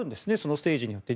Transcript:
ステージによって。